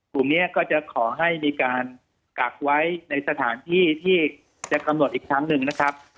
กลุ่มนี้ก็จะขอให้มีการกักไว้ในสถานที่ที่จะกำหนดอีกครั้งหนึ่งนะครับ